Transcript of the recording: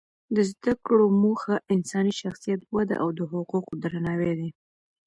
د زده کړو موخه انساني شخصیت وده او د حقوقو درناوی دی.